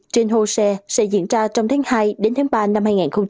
trên hosea sẽ diễn ra trong tháng hai đến tháng ba năm hai nghìn hai mươi